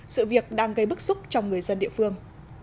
sự việc đang gây bức xúc trong người dân địa phương